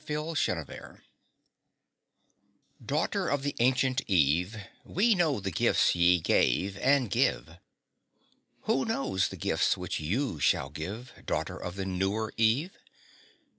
THE AFTER WOMAN Daughter of the ancient Eve We know the gifts ye gave and give. Who knows the gifts which you shall give, Daughter of the newer Eve?